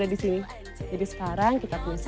ini jadi sekarang kita melihat karena sih